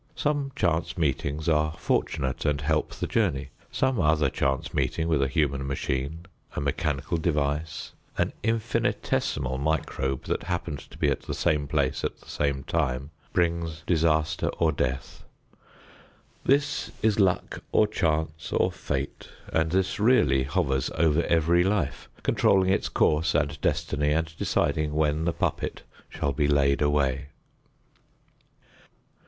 Some chance meetings are fortunate and help the journey. Some other chance meeting with a human machine, a mechanical device, an infinitesimal microbe that happened to be at the same place at the same time brings disaster or death. This is luck or chance or fate, and this really hovers over every life, controlling its course and destiny and deciding when the puppet shall be laid away!